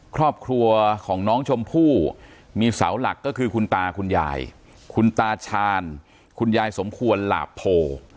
ครอบครัวของน้องชมพู่มีเสาหลักก็คือคุณตาคุณยายคุณตาชาญคุณยายสมควรหลาบโพ